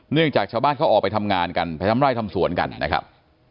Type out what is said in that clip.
จากชาวบ้านเขาออกไปทำงานกันไปทำไร่ทำสวนกันนะครับ